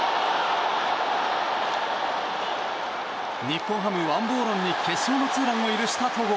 日本ハム、ワン・ボーロンに決勝のツーランを許した戸郷。